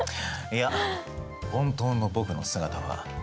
いや本当の僕の姿は。